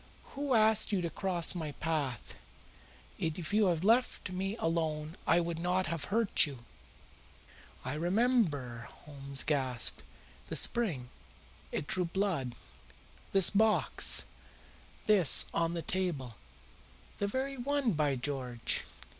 Who asked you to cross my path? If you had left me alone I would not have hurt you." "I remember," Holmes gasped. "The spring! It drew blood. This box this on the table." "The very one, by George!